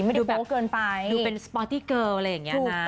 ไม่ได้โป๊ะเกินไปดูแบบดูเป็นสปอตตี้เกิลอะไรอย่างนี้นะ